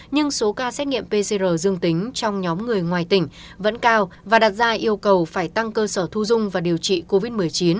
nhưng số ca xét nghiệm pcr dương tính trong nhóm người ngoài tỉnh vẫn cao và đặt ra yêu cầu phải tăng cơ sở thu dung và điều trị covid một mươi chín